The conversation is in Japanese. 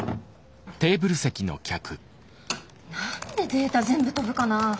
何でデータ全部飛ぶかなあ。